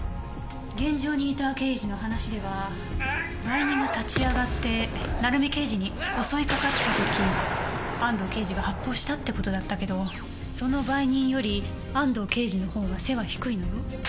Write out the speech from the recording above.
現場にいた刑事の話では売人が立ち上がって鳴海刑事に襲いかかった時安堂刑事が発砲したって事だったけどその売人より安堂刑事の方が背は低いのよ。